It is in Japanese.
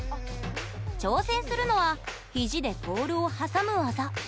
挑戦するのは肘でポールを挟む技。